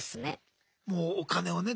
もうお金をね